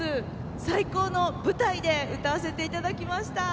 最高の舞台で歌わせていただきました。